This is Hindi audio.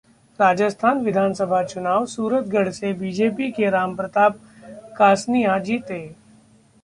राजस्थान विधानसभा चुनाव: सूरतगढ़ से बीजेपी के रामप्रताप कासनियां जीते